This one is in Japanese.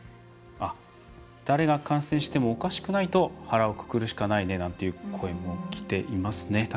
誰が感染してもおかしくないと腹をくくるしかないねなんていう声もきていますね。